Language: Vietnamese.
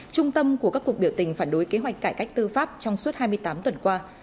trung tâm của các cuộc biểu tình phản đối kế hoạch cải cách tư pháp trong suốt hai mươi tám tuần qua